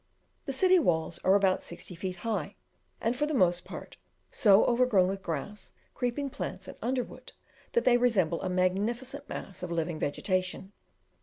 The city walls are about sixty feet high, and, for the most part, so overgrown with grass, creeping plants, and underwood, that they resemble a magnificent mass of living vegetation.